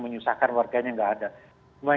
menyusahkan warganya tidak ada